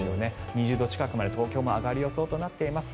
２０度近くまで東京も上がる予想となっています。